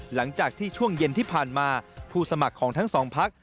หลังจากที่ช่วงเย็นที่ผ่านมาผู้สมัครของทั้งสองพัก